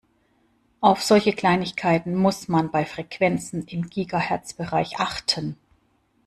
Auf solche Kleinigkeiten muss man bei Frequenzen im Gigahertzbereich achten.